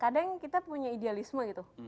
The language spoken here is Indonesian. kadang kita punya idealisme gitu